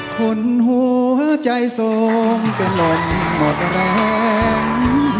คุณหัวใจทรงก็หล่นหมดแรง